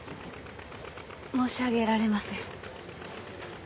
申し上げられません。